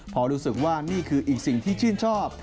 พอรู้สึกว่านี่คืออีกสิ่งที่ชื่นชอบ